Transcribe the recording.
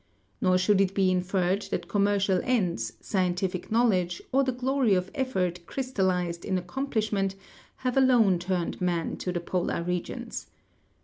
Norshoulditbe inferred that commercial ends, scientific knowl edge, or the glory of effort crystallized in accomplishment have alone turned man to the j^olar regions.